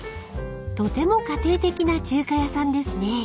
［とても家庭的な中華屋さんですね］